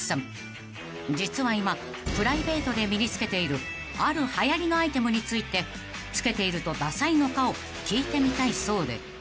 ［実は今プライベートで身に着けているあるはやりのアイテムについて着けているとダサいのかを聞いてみたいそうで］